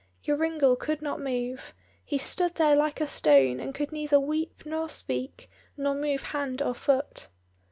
Joringel could not move: he stood there like a stone, and could neither weep nor speak, nor move hand or foot.